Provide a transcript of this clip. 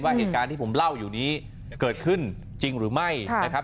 เหตุการณ์ที่ผมเล่าอยู่นี้เกิดขึ้นจริงหรือไม่นะครับ